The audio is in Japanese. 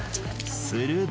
すると。